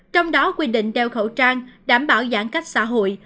trong đó quy định đeo khẩu trang đảm bảo giãn cách xã hội